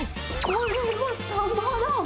これはたまらん！